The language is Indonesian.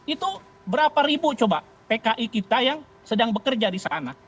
itu berapa ribu coba pki kita yang sedang bekerja di sana